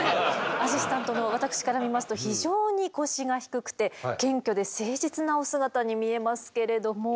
アシスタントの私から見ますと非常に腰が低くて謙虚で誠実なお姿に見えますけれども。